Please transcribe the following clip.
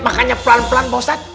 makannya pelan pelan pak ustaz